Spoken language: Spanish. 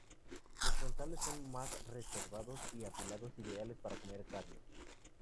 Los frontales son más recurvados y afilados, ideales para comer carne.